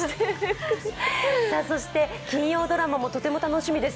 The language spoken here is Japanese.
そして、金曜ドラマもとても楽しみです。